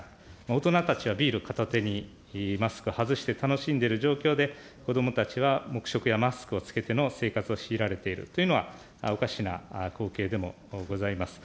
大人たちはビール片手にマスク外して楽しんでいる状況で、子どもたちは黙食やマスクを着けての生活を強いられているというのは、おかしな光景でもございます。